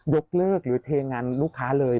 ยกเลิกหรือเทงานลูกค้าเลย